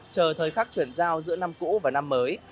chờ thời khắc chuyển giao giữa năm cũ và năm mới